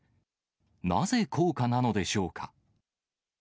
なぜ高価なのでしょうか。